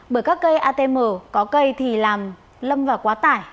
bởi các cây atm có cây thì làm lâm vào quá tải